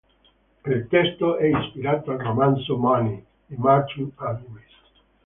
Il testo è ispirato al romanzo "Money" di Martin Amis.